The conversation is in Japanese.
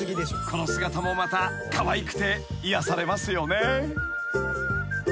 ［この姿もまたかわいくて癒やされますよね］